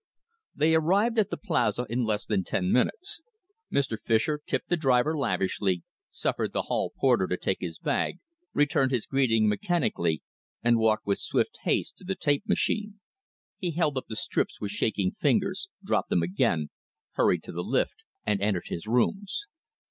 They arrived at the Plaza in less than ten minutes. Mr. Fischer tipped the driver lavishly, suffered the hall porter to take his bag, returned his greeting mechanically, and walked with swift haste to the tape machine. He held up the strips with shaking fingers, dropped them again, hurried to the lift, and entered his rooms.